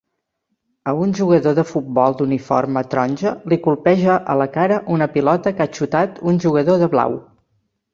A un jugador de futbol d'uniforme taronja li colpeja a la cara una pilota que ha xutat un jugador de blau.